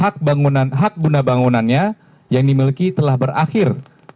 karena hak bunda bangunannya yang dimiliki telah berakhir